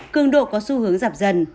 cường độ có xu hướng dập dần